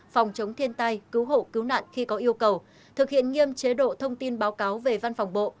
phòng chống thiên tai cứu hộ cứu nạn khi có yêu cầu thực hiện nghiêm chế độ thông tin báo cáo về văn phòng bộ